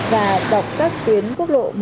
và đọc các tuyến quốc lộ